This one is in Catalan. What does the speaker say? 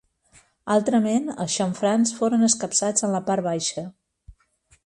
Altrament, els xamfrans foren escapçats en la part baixa.